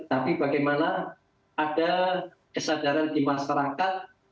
tapi bagaimana ada kesadaran di masyarakat